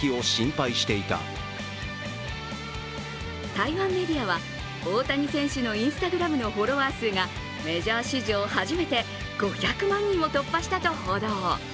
台湾メディアは、大谷選手のＩｎｓｔａｇｒａｍのフォロワー数がメジャー史上初めて５００万人を突破したと報道。